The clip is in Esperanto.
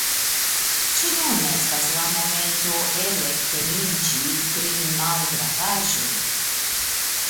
Ĉu nun estas la momento elektemiĝi pri malgravaĵoj?